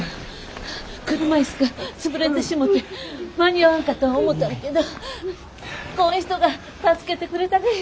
車椅子が潰れてしもて間に合わんかと思たんやけどこん人が助けてくれたがよ。